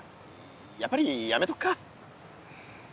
やっぱりやめとくか？